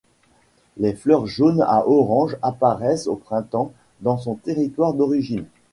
Les fleurs jaunes à orange apparaissent au printemps dans son territoire d'origine.